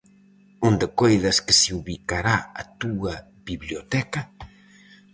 -Onde coidas que se ubicará a túa biblioteca?